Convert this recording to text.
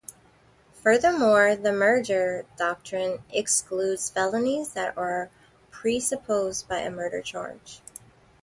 Furthermore, the merger doctrine excludes felonies that are presupposed by a murder charge.